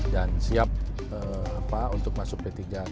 dan siap untuk masuk p tiga